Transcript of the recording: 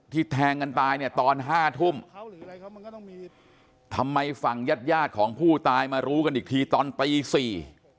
แทงกันตายเนี่ยตอนห้าทุ่มทำไมฝั่งญาติญาติของผู้ตายมารู้กันอีกทีตอนตีสี่